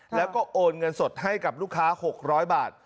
แล้วก็โอนเงินสดให้กับลูกค้า๖๐๐บาท